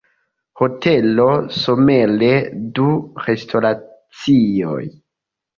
Hotelo, Somere du restoracioj.